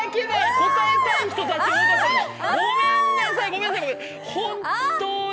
答えたい人たち、ごめんなさい。